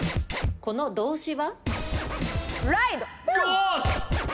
この動詞は？